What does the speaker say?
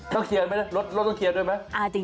เคลียร์ไหมนะรถต้องเคลียร์ด้วยไหม